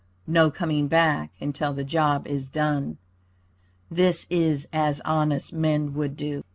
No coming back until the job is done. This is as honest men would do.